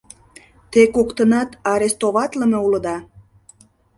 — Те коктынат арестоватлыме улыда!